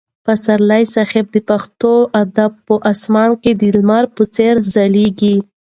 پسرلي صاحب د پښتو ادب په اسمان کې د لمر په څېر ځلېږي.